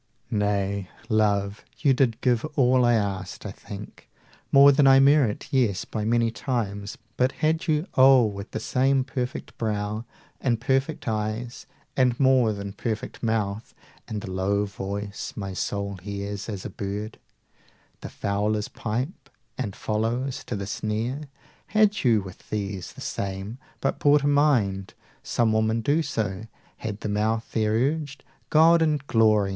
Nay, Love, you did give all I asked, I think 120 More than I merit, yes, by many times. But had you oh, with the same perfect brow, And perfect eyes, and more than perfect mouth, And the low voice my soul hears, as a bird The fowler's pipe, and follows to the snare 125 Had you, with these the same, but brought a mind! Some women do so. Had the mouth there urged "God and the glory!